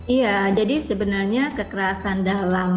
iya jadi sebenarnya kekerasan dalam